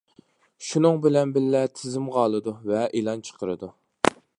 شۇنىڭ بىلەن بىللە تىزىمغا ئالىدۇ ۋە ئېلان چىقىرىدۇ.